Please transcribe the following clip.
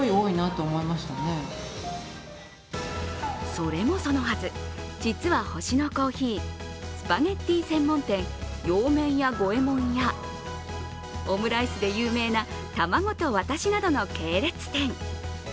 それもそのはず、実は星乃珈琲、スパゲッティー専門店洋麺屋五右衛門やオムライスで有名な卵と私などの系列店。